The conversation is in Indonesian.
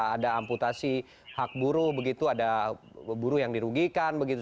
ada amputasi hak buruh begitu ada buruh yang dirugikan begitu